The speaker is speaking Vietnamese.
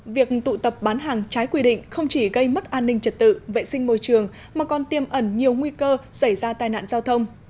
việc tụ tập bán hàng trái quy định không chỉ gây mất an ninh trật tự vệ sinh môi trường mà còn tiêm ẩn nhiều nguy cơ xảy ra tai nạn giao thông